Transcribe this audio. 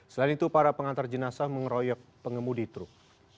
selain itu para pengantar jenazah mengeroyok pengemudi truk